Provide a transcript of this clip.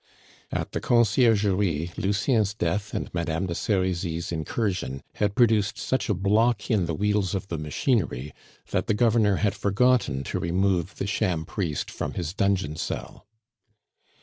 At the Conciergerie Lucien's death and Madame de Serizy's incursion had produced such a block in the wheels of the machinery that the Governor had forgotten to remove the sham priest from his dungeon cell.